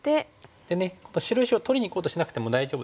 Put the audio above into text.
でね白石を取りにいこうとしなくても大丈夫です。